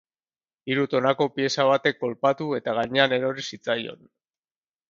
Hiru tonako pieza batek kolpatu eta gainean erori zitzaion.